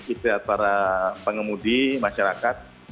istirahat para pengemudi masyarakat